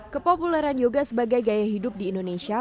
kepopuleran yoga sebagai gaya hidup di indonesia